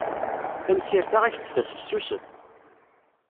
Tamsirt-a ad ak-d-tas fessuset.